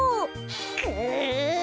くう！